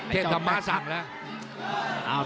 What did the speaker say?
ธรรมะสั่งแล้ว